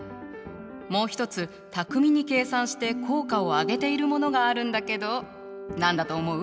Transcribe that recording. もう一つ巧みに計算して効果を上げているものがあるんだけど何だと思う？